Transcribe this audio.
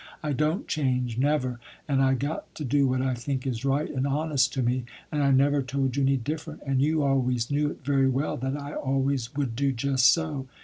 I don't change, never, and I got to do what I think is right and honest to me, and I never told you any different, and you always knew it very well that I always would do just so.